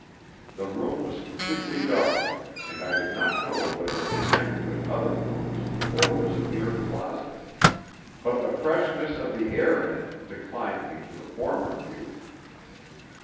The room was completely dark, and I did not know whether it connected with other rooms or was a mere closet, but the freshness of the air in it inclined me to the former view.